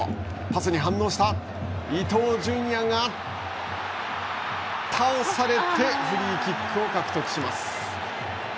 パスに反応した伊東純也が倒されてフリーキックを獲得します。